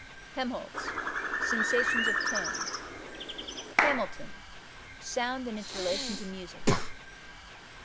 Helmholtz Sensations of Tone. Hamilton Sound and its Relation to Music.